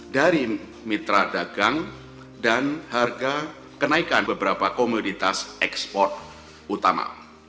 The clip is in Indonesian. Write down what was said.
dari mitra dagang dan harga kenaikan beberapa komoditas ekspor utama